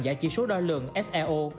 giải chỉ số đo lượng seo